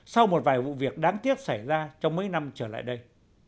sau một vài vụ việc đáng tiếc xảy ra trong mấy năm trở lại đây